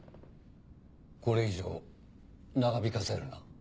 これ以上長引かせるな。